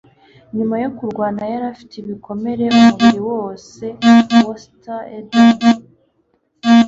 Nyuma yo kurwana yari afite ibikomere umubiri wose (WestofEden)